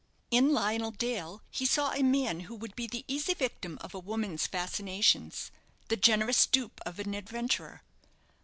In Lionel Dale he saw a man who would be the easy victim of a woman's fascinations, the generous dupe of an adventurer.